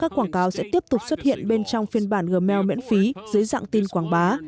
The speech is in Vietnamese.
các quảng cáo sẽ tiếp tục xuất hiện bên trong phiên bản gmail miễn phí dưới dạng tin quảng bá